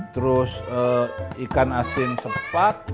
terus ikan asin sepak